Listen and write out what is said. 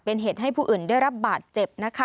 เป็นเหตุให้ผู้อื่นได้รับบาดเจ็บนะคะ